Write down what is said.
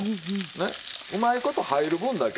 ねうまい事入る分だけ。